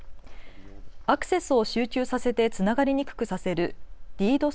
アクセスを集中させてつながりにくくさせるＤＤｏＳ